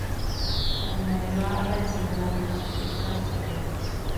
Como modelo ha aparecido en algunas películas de estudiantes.